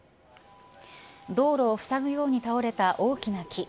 道路をふさぐように倒れた大きな木。